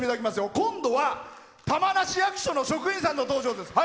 今度は玉名市役所の職員さんの登場です。